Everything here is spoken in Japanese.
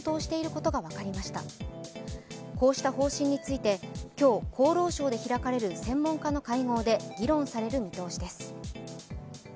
こうした方針について、今日、厚労省で開かれる専門家の会合で議論される見通しです。